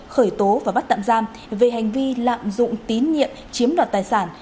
khởi tố và bắt tạm giam về hành vi lạm dụng tín nhiệm chiếm đoạt tài sản